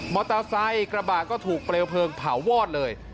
อเตอร์ไซค์กระบะก็ถูกเปลวเพลิงเผาวอดเลย